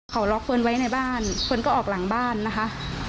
เขาล็อกเฟิร์นไว้ในบ้านเฟิร์นก็ออกหลังบ้านนะคะ